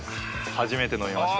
初めて飲みました。